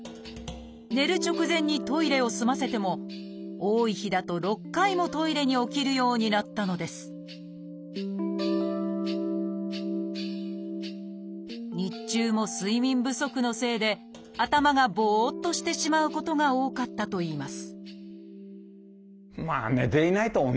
寝る直前にトイレを済ませても多い日だと６回もトイレに起きるようになったのです日中も睡眠不足のせいで頭がぼっとしてしまうことが多かったといいます